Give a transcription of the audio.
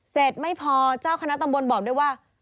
ไม่พอเจ้าคณะตำบลบอกด้วยว่า